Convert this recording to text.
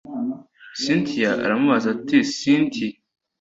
cyntia aramubaza ati cynti